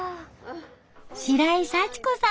白井幸子さんです。